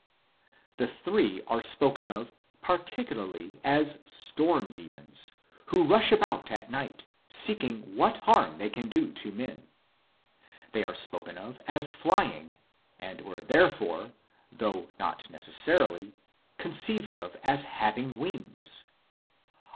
The three are spoken of particularly as storm demons 2 who rush about at night seeking what harm they can do to men. They are spoken of as flying, and were therefore, though not necessarily, conceived of as having wings.